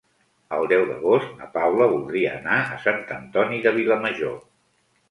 El deu d'agost na Paula voldria anar a Sant Antoni de Vilamajor.